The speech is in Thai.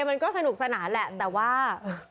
มันก็สนุกสนานแหละแต่ว่า